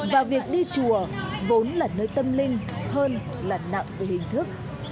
và việc đi chùa vốn là nơi tâm linh hơn là nặng về hình thức